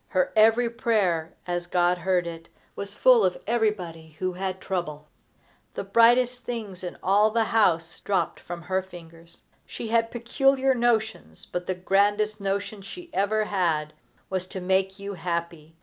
Her every prayer, as God heard it, was full of everybody who had trouble. The brightest things in all the house dropped from her fingers. She had peculiar notions, but the grandest notion she ever had was to make you happy.